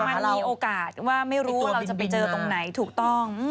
มันมีโอกาสว่าไม่รู้ว่าเราจะไปเจอตรงไหนถูกต้อง